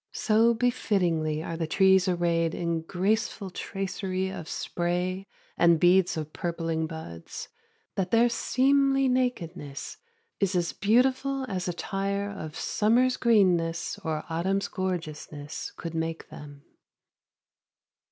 So befittingly are the trees arrayed in graceful tracery of spray and beads of purpling buds, that their seemly nakedness is as beautiful as attire of summer's greenness or autumn's gorgeousness could make them.